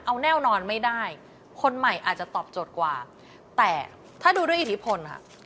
เอาแน่นอนไม่ได้คนใหม่อาจจะตอบโจทย์กว่าแต่ถ้าดูด้วยอิทธิพลค่ะ